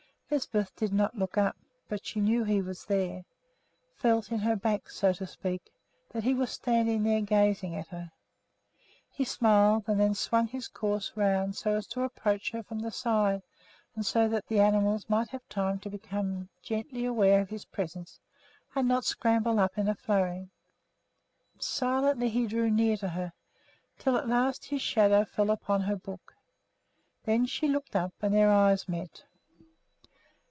Lisbeth did not look up, but she knew he was there, felt in her back, so to speak, that he was standing there gazing at her. He smiled and then swung his course around so as to approach her from the side, and so that the animals might have time to become gently aware of his presence and not scramble up in a flurry. Silently he drew near to her, until at last his shadow fell upon her book. Then she looked up and their eyes met.